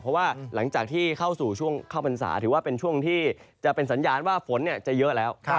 เพราะว่าหลังจากที่เข้าสู่ช่วงเข้าพรรษาถือว่าเป็นช่วงที่จะเป็นสัญญาณว่าฝนจะเยอะแล้ว